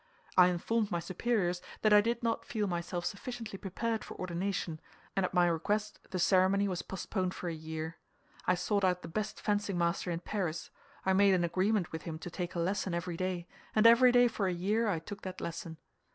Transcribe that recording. I informed my superiors that I did not feel myself sufficiently prepared for ordination, and at my request the ceremony was postponed for a year. I sought out the best fencing master in Paris, I made an agreement with him to take a lesson every day, and every day for a year I took that lesson.